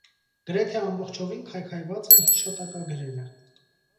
Գրեթե ամբողջովին քայքայված են հիշատակագրերը։